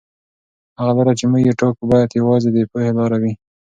هغه لاره چې موږ یې ټاکو باید یوازې د پوهې لاره وي.